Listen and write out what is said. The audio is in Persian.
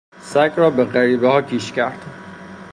سگ را به غریبهها کیش کرد.